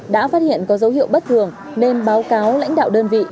đã phát hiện có dấu hiệu bất thường nên báo cáo lãnh đạo đơn vị